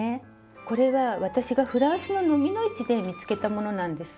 これは私がフランスの蚤の市で見つけたものなんですよ。